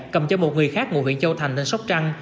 cầm cho một người khác ngủ huyện châu thành tỉnh sóc trăng